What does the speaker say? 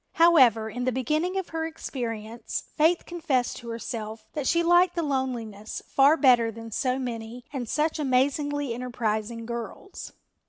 However, in the beginning of her experience Faith confessed to herself that she liked the loneliness far better than so many and such amazingly enterprising girls.